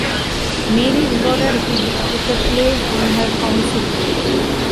Mary rewarded him with a place on her Council.